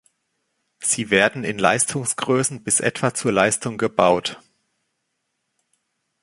Sie werden in Leistungsgrößen bis etwa zur Leistung gebaut.